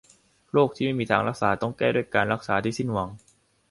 โรคที่ไม่มีทางรักษาต้องแก้ด้วยการรักษาที่สิ้นหวัง